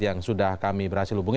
yang sudah kami berhasil hubungi